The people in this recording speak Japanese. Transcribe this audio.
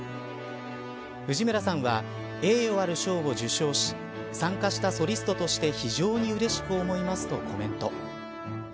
藤村さんは栄誉ある賞を受賞し参加したソリストとして非常にうれしく思いますとコメント。